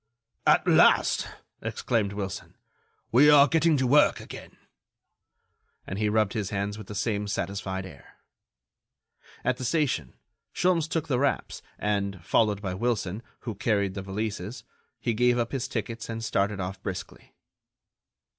"At last!" exclaimed Wilson, "we are getting to work again." And he rubbed his hands with the same satisfied air. At the station, Sholmes took the wraps and, followed by Wilson, who carried the valises, he gave up his tickets and started off briskly.